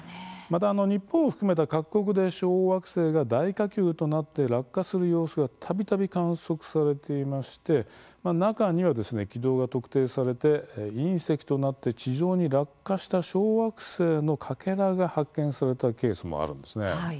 また、日本を含めた各国で小惑星が大火球となって落下する様子がたびたび観測されていまして中には軌道が特定されて隕石となって地上に落下した小惑星のかけらが発見されたケースもあるんですね。